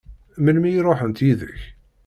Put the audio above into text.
Melmi i ṛuḥent yid-k?